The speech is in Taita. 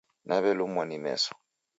Nawelumwa ni meso